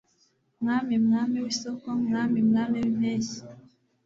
Mwami Mwami wIsoko Mwami Mwami wimpeshyi